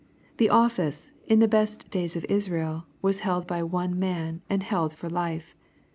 The ofl&ce, in the best days of Israel, was held by one man, and held for life.